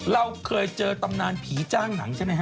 เราเคยเจอตำนานผีจ้างหนังใช่ไหมฮ